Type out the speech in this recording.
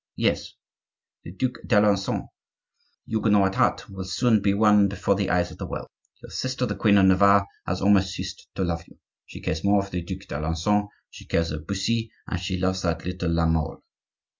"Yes; the Duc d'Alencon, Huguenot at heart, will soon be one before the eyes of the world. Your sister, the queen of Navarre, has almost ceased to love you; she cares more for the Duc d'Alencon; she cares of Bussy; and she loves that little La Mole."